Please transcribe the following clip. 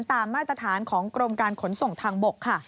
ตามมาตรฐานของกรมการขนส่งทางบก